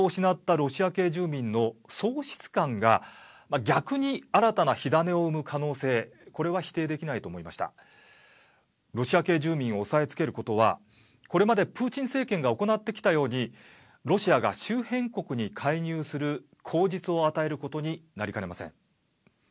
ロシア系住民を抑えつけることはこれまでプーチン政権が行ってきたようにロシアが周辺国に介入する口実を与えることになりかねません。